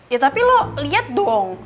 ya tapi lo lihat dong